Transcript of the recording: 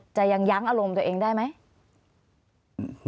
ยังยั้งอารมณ์ตัวเองได้ไหม